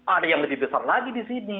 ada yang lebih besar lagi di sini